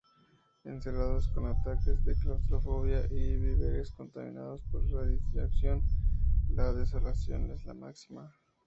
Encerrados, con ataques de claustrofobia y víveres contaminados por radiación, la desolación es máxima.